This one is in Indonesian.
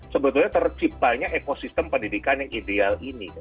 sebetulnya terciptanya ekosistem pendidikan yang ideal ini